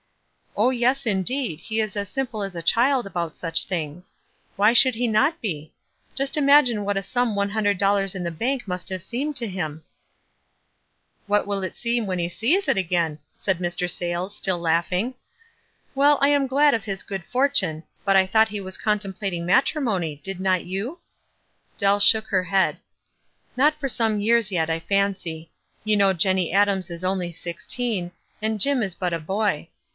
"Oh, yes, indeed, he la as simple as .< child about such things. Why should he not be? Just imagine what a sum, one hundred dollars in the bank must have seemed to him?" 294 WISE AND OTHERWISE. "What will it seem when he sees it again?*' said Mr. Sayles, still laughing. "Well, I ana glad of his good fortune, but I thought he was contemplating matrimony, did not you?" Dell shook her head. " Not for some years yet, I fancy. You know Jenny Adams is only sixteen, and Jim is but a boy.